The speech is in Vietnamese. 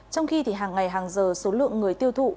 trong khi hàng ngày hàng giờ số lượng người tiêu thụ